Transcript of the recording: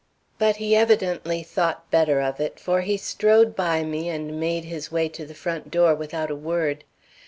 But he evidently thought better of it, for he strode by me and made his way to the front door without a word.